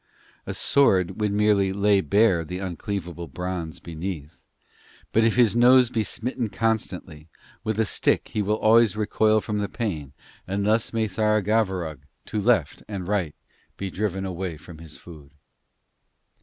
A sword would merely lay bare the uncleavable bronze beneath, but if his nose be smitten constantly with a stick he will always recoil from the pain, and thus may Tharagavverug, to left and right, be driven away from his food.'